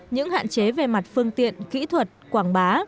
những hạn chế về mặt phương tiện kỹ thuật quảng bá